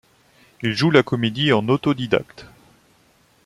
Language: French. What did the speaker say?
Il joue la comédie en autodidacte.